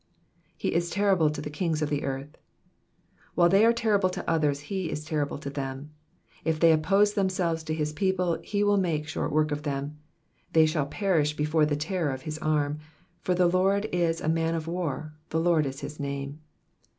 '''He is terrible to the kings of theearth.^^ While they are terrible to others, he is terrible to them. If they oppose themselves to his people, he will make short work of them ; they shall perish before the terror of his arm, ^' for the Lord is a man of war, the Lord is nis name.''